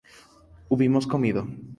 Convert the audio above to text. hubimos comido